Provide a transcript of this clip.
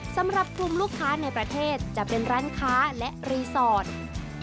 สำหรับกลุ่มลูกค้าในประเทศจะเป็นร้านค้าและรีสอร์ท